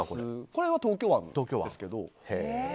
これは東京湾ですけど。